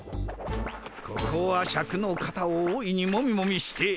ここはシャクの肩を大いにモミモミして。